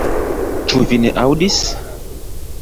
Ĉu vi ne aŭdis?